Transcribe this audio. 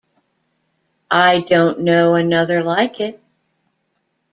I don't know another like it.